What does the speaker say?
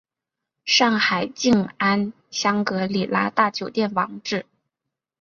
上海静安香格里拉大酒店网址